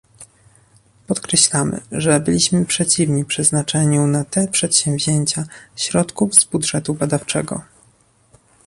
Podkreślamy, że byliśmy przeciwni przeznaczeniu na te przedsięwzięcia środków z budżetu badawczego